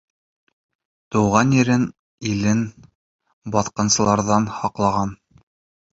Тыуған ерен, илен баҫҡынсыларҙан һаҡлаған.